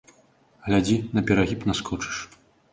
Глядзі, на перагіб наскочыш.